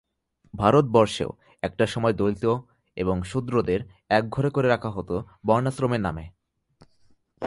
ভারতবর্ষেও একটা সময় দলিত এবং শূদ্রদের একঘরে করে রাখা হতো বর্ণাশ্রমের নামে।